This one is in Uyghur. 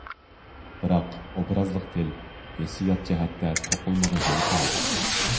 بىراق ئوبرازلىق تىل، ھېسسىيات جەھەتتە توقۇلمىغا يول قويۇلىدۇ.